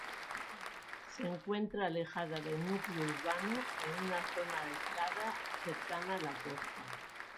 Se encuentra alejada del núcleo urbano, en una zona aislada cercana a la costa.